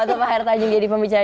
waktu pak heru tanjung jadi pembicara